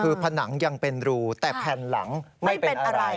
คือผนังยังเป็นรูแต่แผ่นหลังไม่เป็นอะไร